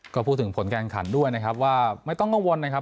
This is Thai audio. ก็พูดถึงผลการขันด้วยนะครับว่าไม่ต้องกังวลนะครับ